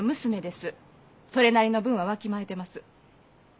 それなりの分はわきまえてます。